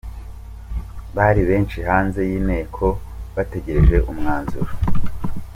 Bari benshi hanze y'Inteko bategereje umwanzuro.